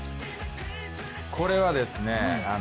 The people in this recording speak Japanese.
これはですね